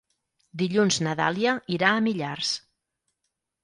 Dilluns na Dàlia irà a Millars.